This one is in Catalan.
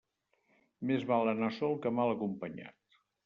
Més val anar sol que mal acompanyat.